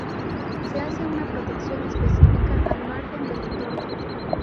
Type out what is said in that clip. Se hace una protección específica al margen del entorno.